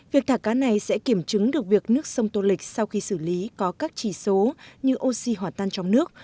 việc thả cá này sẽ kiểm chứng được việc nước sông tô lịch sau khi xử lý có các chỉ số như oxy hỏa tan trong nước